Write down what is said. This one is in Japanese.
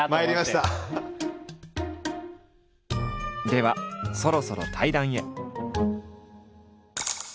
ではそろそろ対談へ。